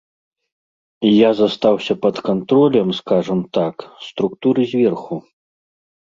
І я застаўся пад кантролем, скажам так, структуры зверху.